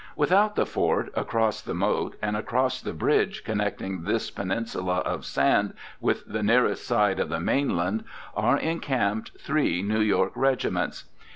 Without the fort, across the moat, and across the bridge connecting this peninsula of sand with the nearest side of the mainland, are encamped three New York regiments.